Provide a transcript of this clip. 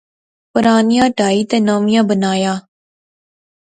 پرانیاں ٹہائی تے نویاں بنایاں